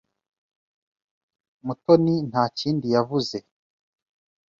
Mutoni nta kindi yavuze.